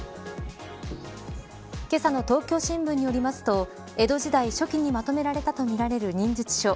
けさの東京新聞によりますと江戸時代初期にまとめられたとみられる忍術書。